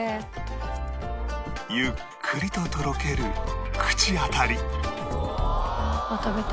ゆっくりととろける口当たり